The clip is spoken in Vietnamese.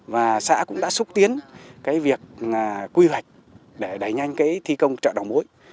và xã cũng đã xúc tiến cái việc quy hoạch để đẩy nhanh cái thi công chợ đồng mối